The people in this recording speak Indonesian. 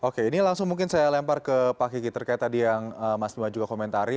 oke ini langsung mungkin saya lempar ke pak kiki terkait tadi yang mas bima juga komentari